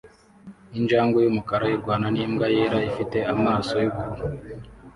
Injangwe yumukara irwana nimbwa yera ifite amaso yubururu